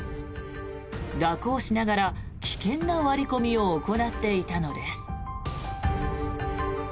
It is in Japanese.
蛇行しながら危険な割り込みを行っていたのです。